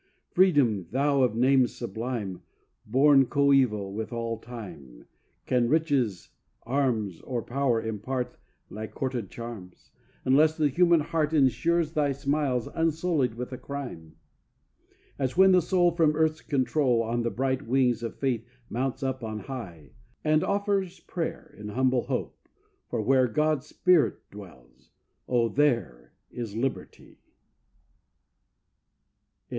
Freedom, thou of name sublime, Born coeval with all time, Can riches, arms, Or power impart Thy courted charms, Unless the human heart Insures thy smiles unsullied with a crime? As when the soul from earth's control On the bright wings of Faith mounts up on high, And offers prayer, in humble hope, for where God's spirit dwells, oh, there is Liberty! _G.